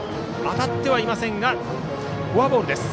当たってはいませんがフォアボールです。